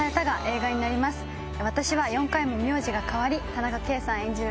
私は４回も名字が変わり田中圭さん演じる